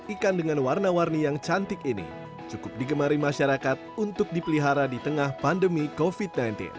ikan dengan warna warni yang cantik ini cukup digemari masyarakat untuk dipelihara di tengah pandemi covid sembilan belas